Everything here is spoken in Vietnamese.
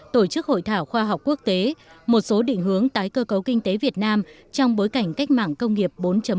tổ chức hội thảo khoa học quốc tế một số định hướng tái cơ cấu kinh tế việt nam trong bối cảnh cách mạng công nghiệp bốn